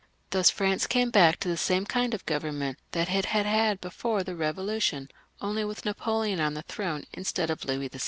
Thus France ^^^came back to the same kind of Government that it had ^f had before the Eevolution, only with Napoleon on the jjj^ throne instead of Louis XVI.